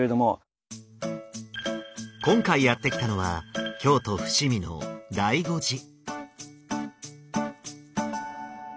今回やって来たのは京都伏見の醍醐寺。